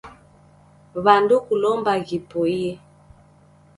W'andu kulomba ghipoie